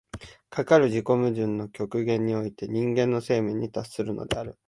かかる自己矛盾の極限において人間の生命に達するのである。